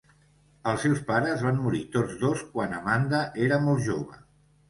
Els seus pares van morir tots dos quan Amanda era molt jove.